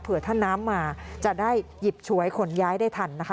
เพื่อถ้าน้ำมาจะได้หยิบฉวยขนย้ายได้ทันนะคะ